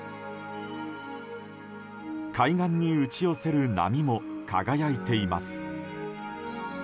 海岸に打ち寄せる波も輝いています。